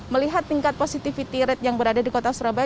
melihat tingkat positivity rate yang berada di kota surabaya